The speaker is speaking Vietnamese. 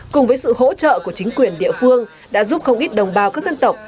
cùng với sự hỗ trợ của chính quyền địa phương đã giúp không ít đồng bào các dân tộc